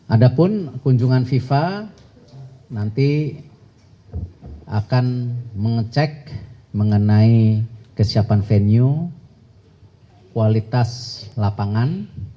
ada pun kunjungan fifa nanti akan mengecek mengenai kesiapan venue kualitas lapangan